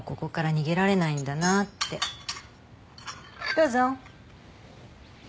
どうぞ。